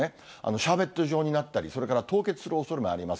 シャーベット状になったり、それから凍結するおそれもあります。